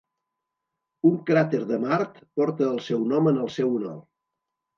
Un cràter de Mart porta el seu nom en el seu honor.